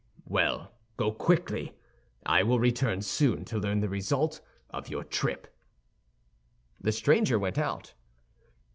"Well, go quickly! I will return soon to learn the result of your trip." The stranger went out.